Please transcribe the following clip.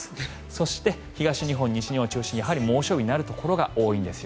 そして東日本、西日本を中心に猛暑日になるところが多いです。